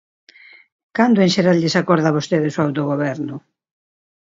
¿Cando en xeral lles acorda a vostedes o autogoberno?